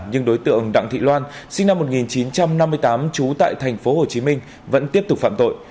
nhưng đối tượng đặng thị loan sinh năm một nghìn chín trăm năm mươi tám trú tại tp hcm vẫn tiếp tục phạm tội